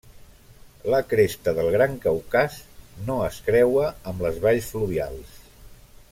La cresta del Gran Caucas no es creua amb les valls fluvials.